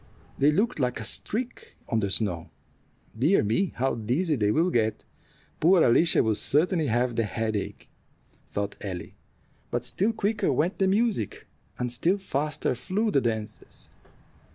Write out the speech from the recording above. They looked like a streak on the snow. "Dear me, how dizzy they will get! Poor Alicia will certainly have the headache," thought Ellie; but still quicker went the music, and still faster flew the dancers.